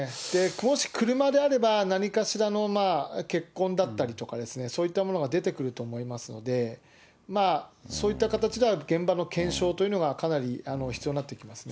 もし車であれば、何かしらの血痕だったりとか、そういったものが出てくると思いますので、そういった形では現場の検証というのが、かなり必要になってきますね。